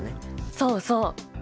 そうそう！